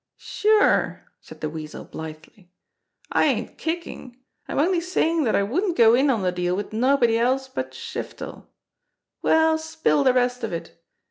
"Sure!" said the Weasel blithely. "I ain't kickin'! I'm only sayin' dat I wouldn't go in on de deal wid nobody else but Shiftel. Well, spill de rest of it!